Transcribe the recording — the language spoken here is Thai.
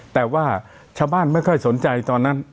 แต่ว่าชาวบ้านไม่ค่อยสนใจตอนนั้น